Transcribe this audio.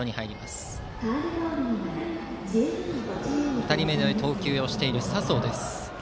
２人目で投球をしている佐宗。